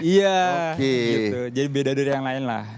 iya gitu jadi beda dari yang lain lah